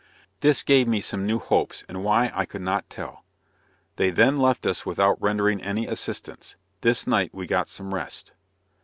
This gave me some new hopes, and why I could not tell. They then left us without rendering any assistance. This night we got some rest.